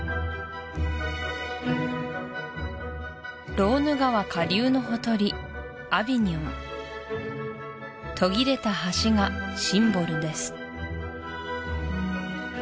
ローヌ川下流のほとりアヴィニョン途切れた橋がシンボルです